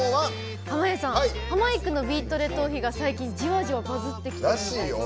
濱家さん、ハマいくの「ビートＤＥトーヒ」が最近じわじわバズってきたらしいですよ。